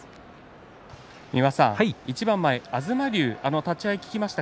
一番前、東龍立ち合い引きました。